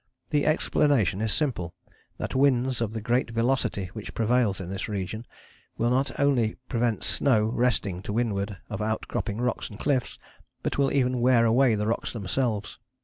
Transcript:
The explanation is simple, that winds of the great velocity which prevails in this region will not only prevent snow resting to windward of out cropping rocks and cliffs, but will even wear away the rocks themselves.